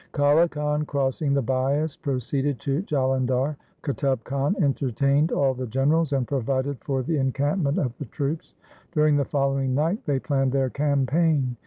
Kale Khan crossing the Bias proceeded to Jalan dhar. Qutub Khan entertained all the generals and provided for the encampment of the troops. During the following night they planned their campaign.